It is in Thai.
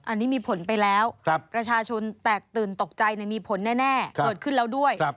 อันนี้มีผลไปแล้วประชาชนแตกตื่นตกใจมีผลแน่เกิดขึ้นแล้วด้วย